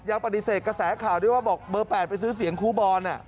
ยังปฏิเสธกระแสข่าวด้วยว่าบอกเบอร์๘ไปซื้อเสียงครูบอล